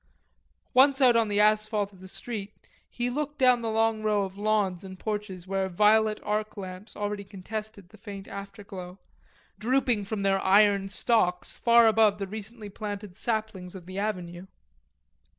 Once out on the asphalt of the street, he looked down the long row of lawns and porches where violet arc lamps already contested the faint afterglow, drooping from their iron stalks far above the recently planted saplings of the avenue.